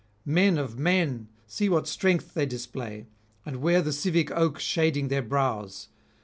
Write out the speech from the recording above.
Men of men! see what strength they display, and wear the civic oak shading their brows.